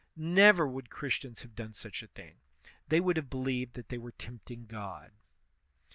Never would Christians have done such a thing; they would have believed that they were tempting God.